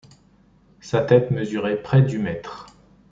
Sa tête mesurait près du mètre.